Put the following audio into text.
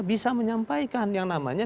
bisa menyampaikan yang namanya